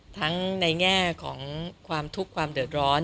ทั้งในแง่ของความทุกข์ความเดือดร้อน